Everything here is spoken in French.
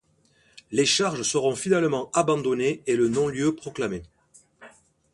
Les charges seront finalement abandonnées et le non-lieu proclamé.